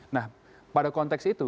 nah pada konteks itu